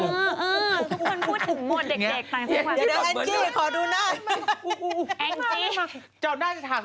เออทุกคนพูดถึงหมวดเด็กตั้งสักวัน